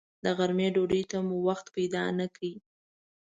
د غرمې ډوډۍ ته مو وخت پیدا نه کړ.